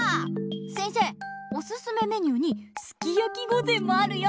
せんせいおすすめメニューにすき焼き御膳もあるよ。